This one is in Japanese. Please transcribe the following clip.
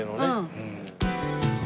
うん。